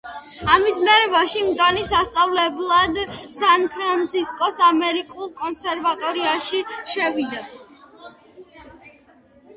ამის მერე ვაშინგტონი სასწავლებლად სან-ფრანცისკოს ამერიკულ კონსერვატორიაში შევიდა.